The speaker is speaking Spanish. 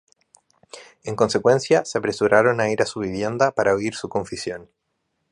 En consecuencia se apresuraron a ir a su vivienda para oír su confesión.